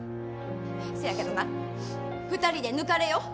せやけどな２人で抜かれよ。